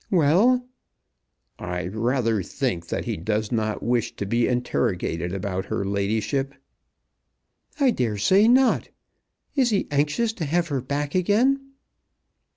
"Well?" "I rather think that he does not wish to be interrogated about her ladyship." "I dare say not. Is he anxious to have her back again?"